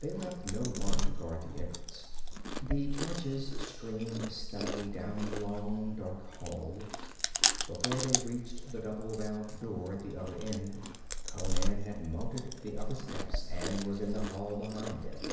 They left no one to guard the entrance. The torches streamed steadily down the long dark hall. Before they reached the double valved door at the other end, Conan had mounted the other steps and was in the hall behind them.